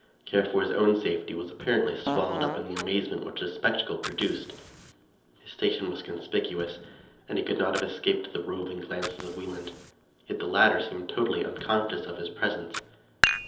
Care for his own safety was apparently swallowed up in the amaze ment which this spectacle produced. His station was con spicuous, and he could not have escaped the roving glances of Wieland ; yet the latter seemed totally unconscious of his presence.